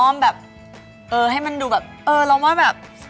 แบบเออให้มันดูแบบเออเราว่าแบบ